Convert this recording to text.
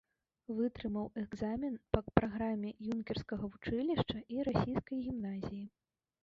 Вытрымаў экзамен па праграме юнкерскага вучылішча і расійскай гімназіі.